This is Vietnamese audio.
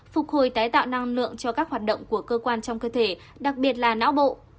phục hồi tái tạo năng lượng cho các hoạt động của cơ quan trong cơ thể đặc biệt là não bộ